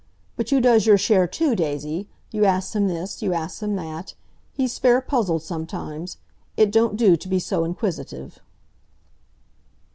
"But you does your share, too, Daisy! You asks him this, you asks him that—he's fair puzzled sometimes. It don't do to be so inquisitive."